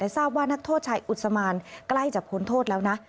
ทราบว่านักโทษชายอุศมานใกล้จะพ้นโทษแล้วนะ